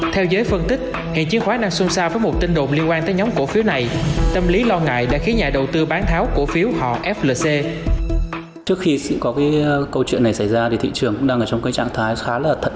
theo giới phân tích hiện chiếc khoáng đang xung sao với một tin đồn liên quan tới nhóm cổ phiếu này tâm lý lo ngại đã khiến nhà đầu tư bán tháo cổ phiếu họ flc